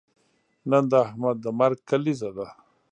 نن د احمد د مرګ کلیزه ده.